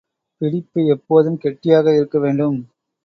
பிடிப்பு எப்போதும் கெட்டியாக இருக்க வேண்டும்.